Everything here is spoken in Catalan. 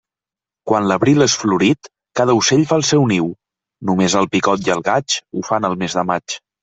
Quan l'abril és florit, cada ocell fa el seu niu; només el picot i el gaig ho fan el mes de maig.